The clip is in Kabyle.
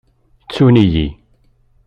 Ttun-iyi.